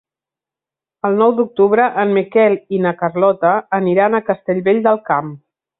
El nou d'octubre en Miquel i na Carlota aniran a Castellvell del Camp.